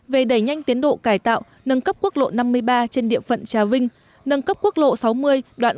về đẩy nhanh tiến độ cải tạo nâng cấp quốc lộ năm mươi ba trên địa phận trà vinh nâng cấp quốc lộ sáu mươi đoạn